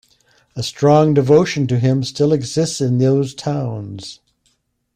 A strong devotion to him still exists in those towns.